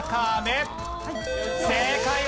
正解！